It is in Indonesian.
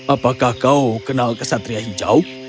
apakah kau kenal kesatria hijau